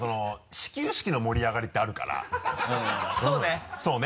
始球式の盛り上がりってあるからうんそうね。